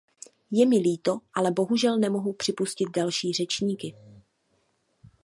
Je mi líto, ale bohužel nemohu připustit další řečníky.